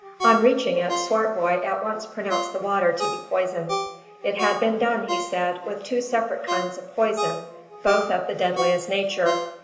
On reaching it, Swartboy at once pronounced the water to be poisoned. It had been done, he said, with two separate kinds of poison, both of the deadliest nature.